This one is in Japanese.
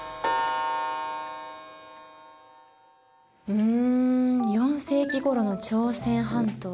うん４世紀ごろの朝鮮半島か。